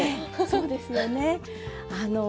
そうですよね。